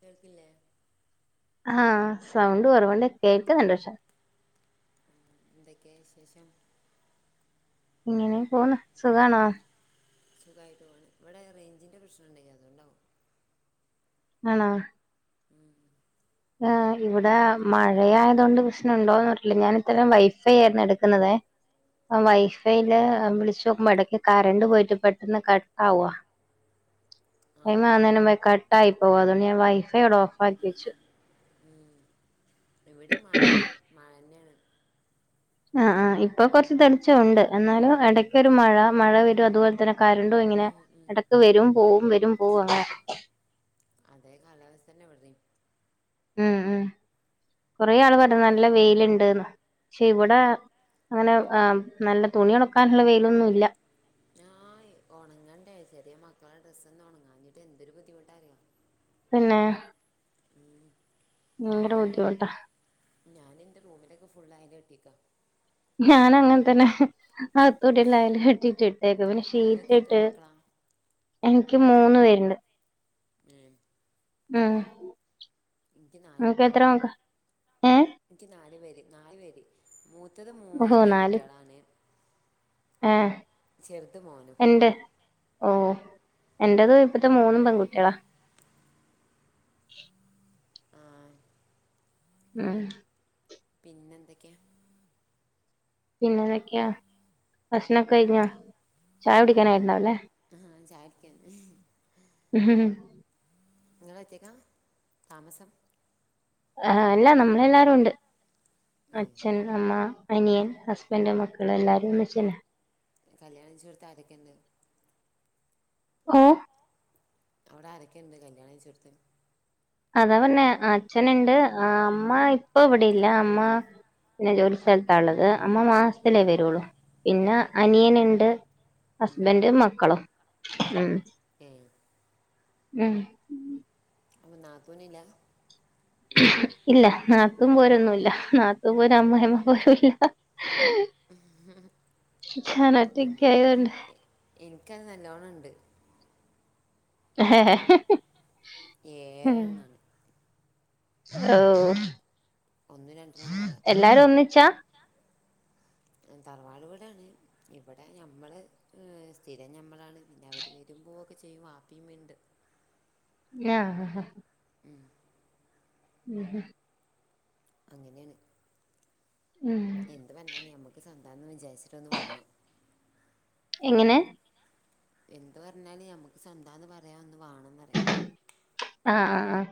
കേൾക്കില്ലേ? ആഹ് സൗണ്ട് കുറവുണ്ട് കേക്കുന്നുണ്ട് പക്ഷെ എന്തൊക്കെയാ വിശേഷം? ഇങ്ങനേം പോന്നു സുഖാണോ? സുഖായിട്ട് പോണു ഇവിടെ റേഞ്ചിൻ്റെ പ്രശ്നം ഉണ്ടേ അതുകൊണ്ടാവും ആണോ ഉം ആഹ് ഇവിടെ മഴയായതുകൊണ്ട് പ്രശ്നം ഉണ്ടോന്ന് അറിയില്ല ഞാൻ ഇത്തരം വൈഫൈ ആരുന്നു എടുക്കുന്നതേ ആഹ് വൈഫൈയില് വിളിച്ച് നോക്കുമ്പോ ഇടയ്ക്ക് കരണ്ട് പോയിട്ട് പെട്ടെന്ന് കട്ടാകുവാ ആ ടൈം ആ ആക്കുന്നെന്നുനുമ്പേ കട്ടായി പോവാ അതോണ്ട് ഞാൻ വൈഫൈ അവിടെ ഓഫ് ആക്കി വെച്ചു ഉം ഇവിടെയും മഴന്റെ മഴ തന്നെയാണ് ആഹ് ആ ഇപ്പൊ കൊറച്ച് തെളിച്ചം ഉണ്ട് എന്നാലും ഇടക്ക് ഒരു മഴ മഴ വരും അതുപോലെ തന്നെ കരണ്ടും ഇങ്ങനെ ഉം, ഉം. ഇടക്ക് വരും പോവും വരും പോവും അങ്ങനെ അതെ കാലാവസ്ഥ തന്നെ ഇവിടേം ഉം ഉം കൊറേ ആള് പറഞ്ഞു ആകെ നല്ല വെയിലുണ്ടാന്ന് പക്ഷെ ഇവിടെ അങ്ങനെ ആഹ് നല്ല തുണി ഉണക്കാനുള്ള വെയിലൊന്നും ഇ [unintelligible] ഉണങ്ങണ്ടേ ചെറിയ മക്കളുടെ ഡ്രസ്സോന്നും ഉണങ്ങാഞ്ഞിട്ട് എന്തൊരു ബുദ്ധിമുട്ടാറിയുവോ പിന്നെ ഭയങ്കര ബുദ്ധിമുട്ടാ ഞാൻ എൻ്റെ റൂമിലൊക്കെ ഫുള്ള് ആയ കെട്ടിയേക്ക ഞാനും അങ്ങനെ തന്നെ അകത്തൂടി എല്ലാം ആയേലും കെട്ടിട്ട് ഇട്ടേക്കുവ പിന്നെ നിങ്ങൾക്ക് എത്ര മക്കളാ [unintelligible] എനിക്ക് മൂന്ന് പേരുണ്ട് പിന്നെ ആണ് ഉം എനിക്ക് നാല് നിനക്ക് പേര് എത്ര മക്ക ഏഹ് എനിക്ക് നാല് പേര് നാല് പേര് മൂത്തത് ഓഹോ മൂന്നും നാല് പെൺകുട്ടികളാണ് ഏഹ് ചെറുത് മോനും ഓ എന്റേത് ഇപ്പത്തെ മൂന്നും പെൺകുട്ടികളാ [inaudible] ആഹ് ഉം പിന്നെ എന്തൊക്കെയാ പിന്നെന്തെക്കെയാ ഭക്ഷണം ഒക്കെ കഴിഞ്ഞോ? ചായകുടിക്കാൻ ആയിട്ടുണ്ടാവല്ലേ ആഹാ അവൻ ചായ കുടിക്കാനുണ്ട് ഉം നിങ്ങള് ഉറ്റക്കാ, താമസം. ആ അല്ലാ നമ്മളെല്ലാരും ഉണ്ട്. ഏ അച്ഛൻ, അമ്മ. അനിയൻ, ഹസ്ബൻഡ്, മക്കളും എല്ലാവരും ഒന്നിച്ചെന്നെ. കല്യാണം കഴിച്ചോടത്ത് ആരെക്കെ ഉണ്ട്? ഏ അവിടെ ആരെക്കെയുണ്ട്? കല്യാണം കഴിച്ചോടത്ത്. അതാ പറഞ്ഞേ, അച്ഛനുണ്ട് അമ്മ ഇപ്പൊ ഇവിടെയില്ല. അമ്മ പിന്നെ ജോലി സ്ഥലത്താ ഉള്ളത്. അമ്മ മാസത്തിലേ വരുള്ളു. പിന്നെ അനിയനുണ്ട്. ഹസ്ബൻൻ്റും മക്കളും ഉം. ഏ ഉം അപ്പം നാത്തൂനില്ല? ഇല്ല നാത്തും പോരൊന്നും ഇല്ല. നാത്തും പോരാ അമ്മായിഅമ്മ പോരോന്നില്ല. ഞാനൊറ്റകായതൊണ്ട്. ഇൻക്കത് നല്ലോണ്ണം ഉണ്ട്. ഏഹ് ഏഴ് ഓ ഒന്നും രണ്ടണ്ണന്നും അല്ല. എല്ലാരും ഒന്നിച്ചാ? തറവാടു വീടാണ്. ഇവിടെ ഞമ്മള് സ്ഥിരം ഞമ്മളാണ്. പിന്നെ അവര് വരും പൊവക്കെ ചെയ്യും. വാപ്പിയും ഉമ്മീം ഉണ്ട്. ആഹ് ഉം ഉം ഉം അങ്ങനെണ്. ഉം എന്ത് പറഞ്ഞാ നമുക്ക് സ്വന്താ എന്ന് വിചാരിച്ചിട്ടൊന്ന് വാങ്ങണം. എങ്ങനെ? എന്ത് പറഞ്ഞാല് ഞമക്ക് സ്വന്തമാന്ന് പറയാൻ ഒന്ന് വാണമന്ന് പറയാ. ആഹ ആ ആ.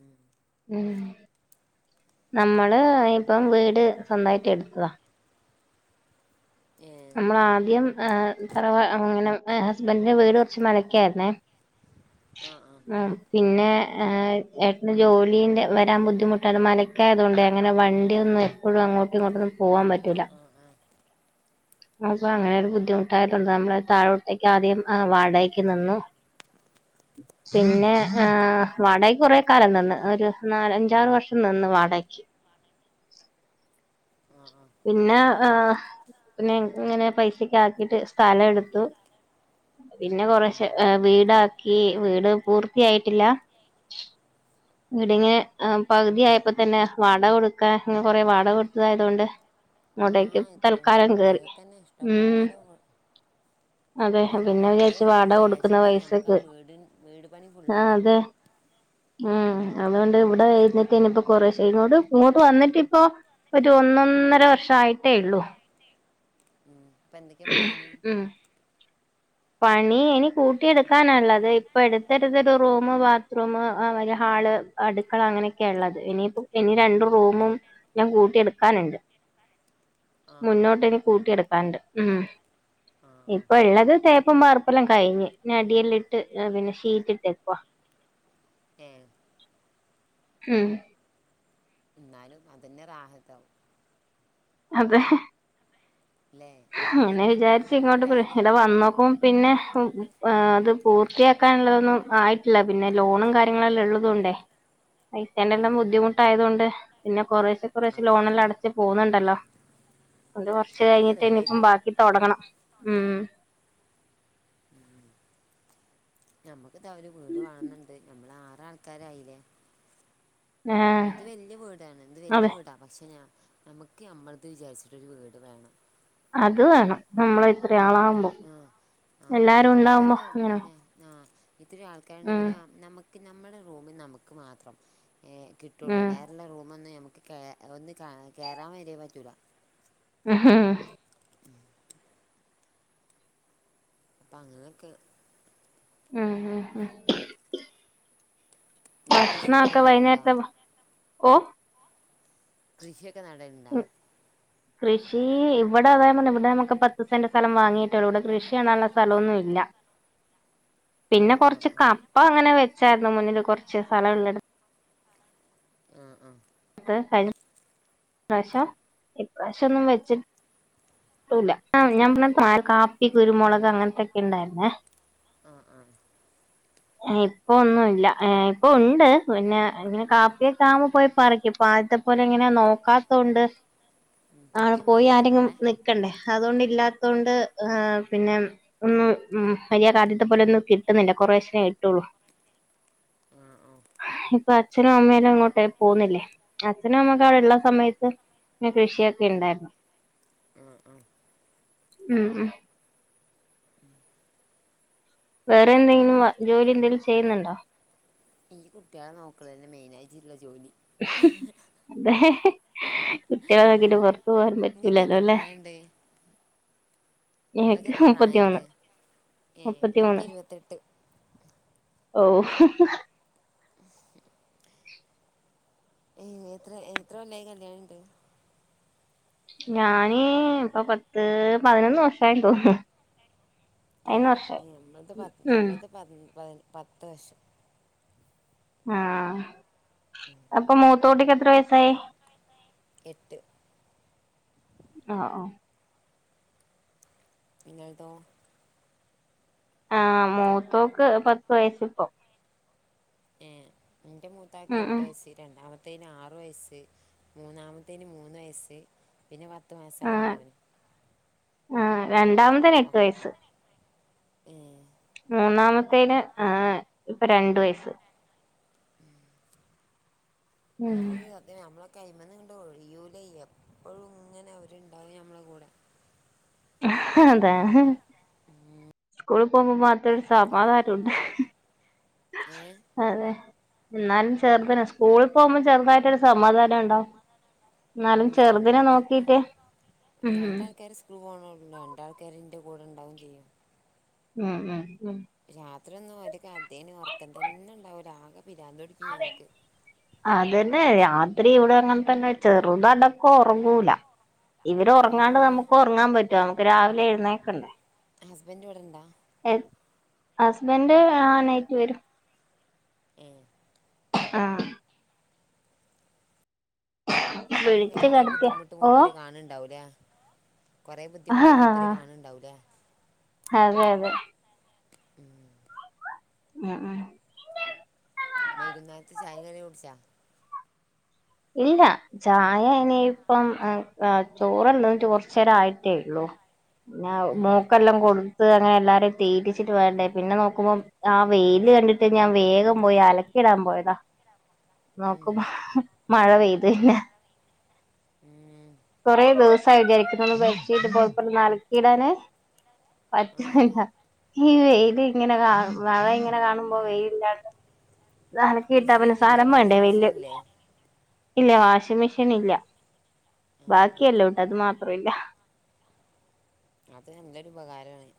ഉം ഉം നമ്മള് ഇപ്പം വീട് സ്വന്തമായിട്ട് എടുത്തതാ. ഏ നമ്മള ആദ്യം തറവാ ഇങ്ങനെ ഹസ്ബൻറിന്റെ വീട് കുറച്ച് മലക്കായിരുന്നേ. ആഹ് ആഹ. ഉം പിന്നെ ഏട്ടന് ജോലിന്റെ വരാൻ ബുദ്ധിമുട്ടാണ്. മല ക്കെ ആയതുകൊണ്ട് അങ്ങനെ വണ്ടിയൊന്നും എപ്പോഴും അങ്ങോട്ടും ഇങ്ങോട്ടൊന്നും പോവാൻ പറ്റൂല്ല. ആ ആ അപ്പൊ അങ്ങനെ ഒരു ബുദ്ധിമുട്ടായിട്ടുണ്ട്. നമ്മുടെ താഴോട്ടേക്ക് ആദ്യം വാടകയ്ക്ക് നിന്നു. [inaudible] പിന്നെ ആ ആ വാടകക്ക് കൊറെ കാലം നിന്ന്. ഒരു നാലഞ്ചാറ് വർഷം നിന്ന് വാടകക്ക്. ആ ആ പിന്നെ പിന്നെ ഇങ്ങനെ പൈസക്കെ ആക്കിട്ട് സ്ഥലം എടുത്തു. പിന്നെ ഉം. കൊറേശെ വീടാക്കി. വീട് പൂർത്തിയായിട്ടില്ല. വീടിങ്ങെനെ പകുതി ആയപ്പോ തന്നെ, വാടക കൊടുക്കാൻ ഇങ്ങനെ കൊറെ വാടക കൊടുത്തതായത് കൊണ്ട്. ആ അങ്ങോടേക്ക് ഇത്ര തൽക്കാലം കേറി. വാടകക്കന്നെ ഉം. ഇഷ്ടംപോലെ വ- അതെ ആ പിന്നെ വാടക വിചാരിച്ചു കൊടുക്കണ ക്യാഷ് കൊടുക്കുന്ന ഉണ്ടെങ്കിൽ, നമുക്ക് ആ പൈസക്ക് വീട്, വീട് പണി ആ ഫുള്ളാക്കാം. അതെ ഉം അതുകൊണ്ട് ഇവിടെ [unintelligible] കൊറേശെ ഇങ്ങോട് ഇങ്ങോട്ട് വന്നിട്ട് ഇപ്പോ. ഒരു ഒന്നൊന്നര വർഷം ആയിട്ടേ ഉള്ളൂ. അപ്പൊ എന്തൊക്കെ പണി കഴിഞ്ഞു. ഉം [inaudible] പണി ഇനി കൂട്ടിയെടുക്കാനുള്ളത് ഇപ്പൊ എടുത്തടുത്തൊരു റൂം ബാത്റൂം ആ ഹാള് അടുക്കള അങ്ങനെയൊക്കെയ ഉള്ളത് ഇനിയിപ്പോ ഇനി രണ്ടും റൂമും ഞാൻ കൂട്ടിയെടുക്കാനുണ്ട് ആ ആ മുന്നോട്ട് ഇ കൂട്ടിയെടുക്കാനുണ്ട് ഉം ആ ആ. ഇപ്പൊ ഉള്ളത് തേപ്പും വാർപ്പല്ലാം കഴിഞ്ഞ് അടിയല്ല ഇട്ട് പിന്നെ ഷീറ്റ ഇട്ടേക്കുവ ആഏ ഹം എന്നാലും അതിൻറെ റാഹതവും അതെ അല്ലേ അങ്ങനെ അതാണെങ്കിലും വിചാരിച്ച് ഒരു ഇങ്ങോട്ട് കൂരായില്ലേ ഇടെ വന്നോക്കും പിന്നെ അത് പൂർത്തിയാക്കാനുള്ളതൊന്നും ആയിട്ടില്ല പിന്നെ ലോണും കാര്യങ്ങളല്ലേ ഉള്ളൂ പൈസന്റെ ഉം, എല്ലാം ഉം. ബുദ്ധിമുട്ടായതുകൊണ്ട് പിന്നെ കുറേശ്ശെ കുറേശ അത് ലോണെല്ലാം അടച്ച് പോകുന്നുണ്ടല്ലോ അണ്ട് കുറച്ച് അതൊക്കെ കഴിഞ്ഞിട്ട് റെഡി ആയിക്കോളും തുടങ്ങണം ഉം നമ്മുക്ക് ത അവര് വീട് വാങ്ങുന്നുണ്ട് നമ്മള ആറ ആൾക്കാരായില്ലേ ആഹ് ഇത് വലയ വീടാണ് ഇത് വല്യ അതെ വീടാ പക്ഷെ ഞാൻ നമുക്ക് നമ്മളത് വിചാരിച്ചിട്ടരു വീട് വേണം അത് വേണം നമ്മള ആ ആ പിന്നെ ഞങ്ങ ഉണ്ടാവുമ്പോ തന്നെ അങ്ങനെ ഞാൻ ആ ഇത്തൊരു ആൾക്കാരുണ്ട് ഉം പിന്നെ നമുക്ക് നമ്മുടെ റൂമിൽ നമുക്ക് മാത്രം കിട്ടുള്ളൂ ഉം വേറെള്ള റൂമൊന്നും നമുക്ക് ഒന്ന് കയറാൻ വരേ പറ്റൂല്ല ആഹ അപ്പം അങ്ങനെയൊക്കെ ഉം ഉം ഉം ഇങ്ങനെ ഭഷണം കൃഷിയൊക്കെ ഒക്കെ നടലുണ്ടാ വൈുന്നേരത്തെ ഓ കൃഷിയൊക്കെ നടേണ്ടോ കൃഷി ഇവിടെ അതായത് പറഞ്ഞ ഇവിടെ നമുക്ക് പത്ത് സെന്റ് സ്ഥം വാങ്ങിയിട്ടോ ഇവിടെ കൃഷിയാണല്ല സ്ഥലമൊന്നുമ ഇല്ല ആ പിന്നെ ആ കുറച്ച് ആ കപ്പ അങ്ങനെ വെച്ചായിരുന്നു മുന്നില് കുറച്ച് സ്ഥലംള്ളടു ആഹ ആഹ [inaudible] ഇപ്രാവശ്യം ഇപ്രാവശം ഒന്നും വെച്ചിട്ട് ആ ഞാൻ പി കാപ്പി കുരുമുളക് അങ്ങനത്തൊക്കെ ഉണ്ടായിുന്നേ ആ ആ [inaudible] ഇപ്പൊ ഒന്നുംല്ല ഇപ്പൊ ഉണ്ട് പിന്നെ ഇങ്ങനെ കാപ്പിയക്ക ആുമ്പ പോയി പറക്കും ഇപ്പൊ ആദ്യത്തെ അപലെ എങ്ങനെ നോക്കാത്തണ്ട് ഉം. ആണ് ചക്കയും പോയി മാങ്ങയൊക്കെ ഉണ്ടോ ആരെങ്കിലും അവിടെ നിക്കണ്ടേ അതുകൊണ്ട ഇല്ലാത്ത കൊണ്ട് പിന്നെ ഒന്നും ഉ വലിയ ആദ്യത്തെ പോലെ ഒന്നും കിട്ടുന്നില്ല കൊറശശനേ കട്ടുള്ളു ആ ഓ ഇപ്പൊ അച്ഛനും അമ്മയല്ലും അങ്ങോട്ട് പോകുന്നില്ലേ അച്ഛനും അമ്മക്ക ഉം. അവിടെ ഉള്ള സമയത്ത് പിന്നെ കൃഷിയൊക്കെ ഉണ്ടായിരുന്നു ആഹ ആഹ ഉം ഉം വേറെ എന്തെങ്കിലും ജോലി എന്തെങ്കലും ചെയ്യുന്നുണ്ടോ ഈ കുട്ടികളെ നോക്കണ തന്നെ മെയിന ആയിട്ട ഇല്ല ജോലി അതെ കുട്ടികളങ്കി് പുറത്ത പോകൻ നിങ്ങൾക്ക് പറ്റൂലല്ലോ എത്ര അല്ലെ പ്രായമുണ്ട് നിങ്ങൾക്ക് എനക്ക് എത്ര മുപ്പത്തി മൂന്ന് പ്രായമുണ്ട് ഏ മുപ്പത്തി എനിക്ക് മൂന്ന് ഇരുപത്തെട്ട് ഓ [unintelligible] എത്ര എത്രയ കൊല്ലായ് കല്യാണംിണ്ട് ഞാന് ഇപ്പൊ പത്ത് പതിനൊന്ന് വർഷമായി തോന്നുന്നു ഏ പതിനൊന്ന് വർഷമായി നമ്മള പത്ത് ഉം നമ്മൾത്തെ പത്ത് വർഷം ആഹ്അപ്പൊ മൂത്ത കുട്ടിക്ക് എത്ര വയസ്സായി എട്ട് ആഹ് ആഹ് ഇങ്ങൾതോ ആഹ് മൂത്തോക്ക് പത്ത് വയസ്സ്ഇപ്പൊ ഏഹ് എന്റെ മൂത്താക്കി ഉം എട്ട് ഉം വയസ്സി രണ്ടാമത്ത് ത്തൈന് ആറ് വയസ്സ് മൂന്നാമത്തൈന് മൂന്ന് വയസ്സ് പിന്നെ പത്ത് മാസ്സായ ആഹ് ഒര്മോനും ആഹ് രണ്ടാമതൈന് എട്ട് ഒ- വയസ്സ് ഏഹ് മൂന്നാമത്തൈന് ആഹ് ഇപ്പൊ രണ്ട് വയസ്സ് ഉം ഇത് [unintelligible] ഇത് നമ്മളെ കൈമന്ന് ഇങ്ങണ്ട് ഒഴിയൂലൈ എപ്പഴും ഇങ്ങനെ അവര്ണ്ടാവും നഞമ്മളെ കൂടെ ഇഹ് അതെ ഹ് ഹ് സ്കൂള് പോവുമ്പാെ മാത്രാര് അപ്പൊ സമാധാനം ഉണ്ട് ഏഹ് അതെ ഇന്നാലും ചെറ്തനെ സ്കൂള് പോവുമ്പം ചെറ്തായിട്ടാെരു സമാധാനം ഉണ്ടാവും ഇന്നാലും രണ്ടാൾക്കെ രണ്ടാൾക്കാര് സം സ്കൂള്പോണെള്ളു രണ്ട് ആൾക്കാര് ഇൻ്റെ കൂടെ ഇണ്ടാവും ചെയ്യും ഉം ഉം ഉം രാത്രി ഒന്നും ഒര്കഥേണ് ഒറക്കം തന്നെ ഇണ്ടാവൂല ആകെ പിരാന്ത് പി അതെ അതെന്നെ രാത്രി ഇവ്ടെ അങ്ങൻതന്നെ ചെറ്തടക്കം ഒറങ്ങൂല ഇവര് ആ ഒറങ്ങാണ്ട് നമുക്ക് ഒർങ്ങാംപറ്റാേ നമുക്ക് രാവിലെ എഴ്ന്നേക്കണ്ടേ ഹസ്ബെൻഡ് ഇവ്ടെണ്ടാ ഏഹ് അസ്ബൻഡ് ആഹ് നൈറ്റ് വെരും ഏ ആഹ് അപ്പൊ പിന്നെ വിളിച്ച് കൊറേ കിടത്തിയ ബുദ്ധിമുട്ട് ഓ മൂപ്പര് കാണ്ഇണ്ടാവുലെ കൊറെ ആ ബുദ്ധിമുട്ട് മൂപ്പര് കാണ് ഇണ്ടാവുലെ ഹതെ അതെ ഉം മ്യഅ വൈകുന്നേര്ത്തെ ചായിം കടിം കുടിച്ചാ ഇല്ല ചായ ഇനിയിപ്പം ഹ് ഹ് ചോറ്ണ്ണ്ട്ട് കാെറച്ചേരം ആയിട്ടേയൊള്ളൂ പിന്നാവാെ ഉം, മാേക്കെല്ലാം കൊട്ത്ത് അങ്ങനെ എല്ലാരെയും തീറ്റിച്ചിട്ട് വേണ്ടേ പിന്നെ നോക്കുമ്പം ആഹ് വൈല് കണ്ട്ട്ട് ഞാൻ വേഗം പോയി അലക്കി ഇടാൻ പോയതാ ഉം, നോക്കുമ്പോ മഴ പെെത് ലെ ഉം. കെറേ ദിവ്സ്സായി വിചരിക്ക്ന്നത് ബെഡ്ഷീറ്റും പൊത്പ്പെല്ലാം അലക്കിടാൻ ആ പറ്റ്ന്നില്ല. ഈ വെെല് ഇങ്ങനെ കാണുമ്പോ മഴ ഇങ്ങനെ കാണുമ്പോ വെെല് ഇല്ലാണ്ടെ അത് അലക്കിട്ടാപിന്നെ മെഷീനില്ലേ സ്ഥലം വേണ്ടേ വാഷിംഗ് വൈല് മെഷീനില്ലേ ഇല്യ വാഷിംഗ്‌ മെഷീന് ഇല്യ ആ ആ. ബാക്കിയെല്ലോംഇണ്ട് അത് മാത്രാെഇല്ല. അത് എന്തൊരു ഉപകാരാണേ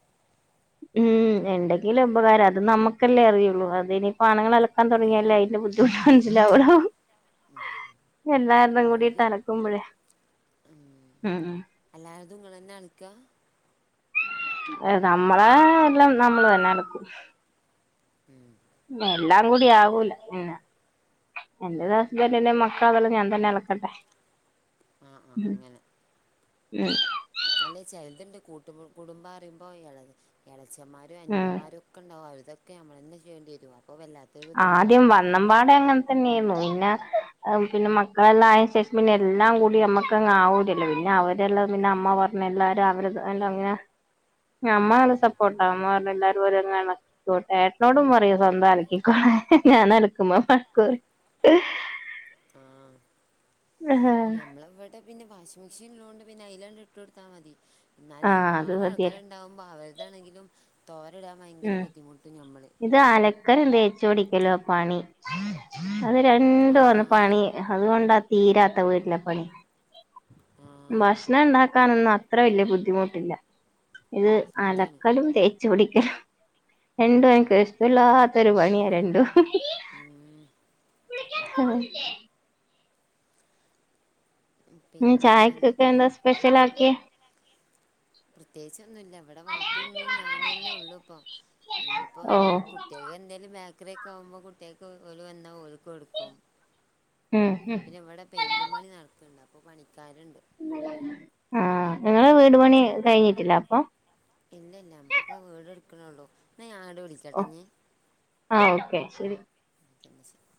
ഉം എന്തെങ്കിലും ഉപകാരം അത് നമ്ക്കല്ലേ അറിയാെള്ളൂ അതിനിപ്പൊ ആണ്ങ്ങളെ അല പ്പം ആ താെടങ്ങിയല്ലേ ഇതിന്റെ ബുദ്ധിമുട്ട് മൻസിലാവാെള്ളു എന്താ ഇതുംകൂടിട്ട് ഓര് അലക്കുമ്പഴേ ഉം അല്ലാരതും ഇങ്ങളെന്നെ അൽക്കാ ഏഹ് നമ്മളെ എല്ലാം നമ്മള് തന്നെ അലക്കും ഉം എല്ലാം കൂടി ആവൂല പിന്നെ എൻന്റെത് ഹസ്ബന്റിന്റേംമക്കളെതെല്ലാം ഞാൻ തന്നെ അലക്കട്ടെ ആഹ് ആഹ് അങ്ങനെ ഉം അല്ലെ ചെൽത്ണ്ട് കൂട്ട കുടുംമ്പാറിയുമ്പ ഇളത് ഇളച്ചമ്മാര് ഉം അനിയമ്മാരും ഒക്കെണ്ടാവും ഇതൊക്കെ നമ്മൾന്ന ചെയ്യണ്ടി വരു അപ്പോ വല്ലാ ആദ്യം വന്നമ്പാടെ അങ്ങൻ തന്നെയായിരുന്നു പിന്ന പിന്നെ മക്കളെല്ലാം ആയ ശേഷം പിന്നെ എല്ലാം കൂടി നമ്മക്കങ്ങാവൂലല്ലൊ പിന്നെ അവരെല്ലാം പിന്നെ അമ്മ പറ എല്ലാരും അവരു [unintelligible] അങ്ങനെ ഞമ്മൊ നല്ല സപ്പോർട്ട അമ്മ പറഞ്ഞ എല്ലാവരും [unintelligible] ഏട്ടനോടും പറയും സ്വന്തം ആലക്കി ഞാൻ അലക്കുമ്പ വഴക്കു പറയും. ഞമ്മളെ ഇവിടെ പിന്നെ വാഷിംഗ് മെഷീൻ ഇള്ളൊണ്ട് പിന്നെ അയിലാണ്ട് ഇട്ട് കൊടുത്താ മതി. എന്നാലും ആഹ് അത് ഒരുപാട് മതിയല്ലോ ആൾക്കാരുണ്ടാകുമ്പോ അവരുതാണെങ്കിലും തോരെ ഇടാൻ ഭയങ്കര ഉം ബുദ്ധിമുട്ടും ഞമ്മള് ഇത് അലക്കലും തേച്ചു ഓടിക്കലുവാ പണി. അത് ആ രണ്ടു ആന്ന് പണി അതുകൊണ്ടാ തീരാത്ത വീട്ടിലെ പണി. ആ ഭഷ്ണം ഉണ്ടാക്കാനൊന്നും അത്ര വല്യ ബുദ്ധിമുട്ടില്ല, ഇത് സത്യമാണ് അലക്കലും തേക്ക ചുടിക്കംരണ്ടും എനക്ക് ഇഷ്ടല്ലാത്തൊരു പണിയാ രണ്ടും ഉം ഉം. ഉം ചായക്കൊക്കെന്താ സ്പെഷ്യൽ ആക്കിയെ പ്രത്യേകിച്ച് ഒന്നുല്ല ഇവിടെ വാപ്പയും ഇമ്മയും ഞാനുന്നെ ഉള്ളു ഇപ്പൊ ഇനിപ്പൊ ഓ കുട്ടി കുട്ടിയക്ക് എന്തേലും ബേക്കറി ഒക്കെ വാങ്ങുമ്പോ കുട്ടിയേക്ക് ഒല് വന്നാൽ ഓല്ക്ക് കൊടുക്കും ഉം ഉം പിന്നെ ഇവിടെ പെയിന്റും പണി നടക്ക്ണ്ട് അപ്പൊ പണിക്കാര്ണ്ട്. ആഹ് നിങ്ങളെ വീട് പണി കഴിഞ്ഞിട്ടില്ല അപ്പം ഇല്ല ഇല്ല ഞമ്മക്ക് വീട് എടുക്കണുള്ളൂ എന്നാ ഞാങ്ങട്ട് വിളിക്കട്ടിനി ആഹ് ഓക്കെ ശരി. [unintelligible]